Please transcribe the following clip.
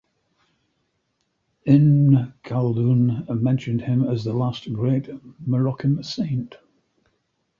Ibn Khaldun mentioned him as the last great Moroccan saint.